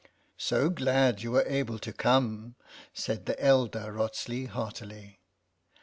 " So glad you were able to come," said the elder Wrotsley heartily.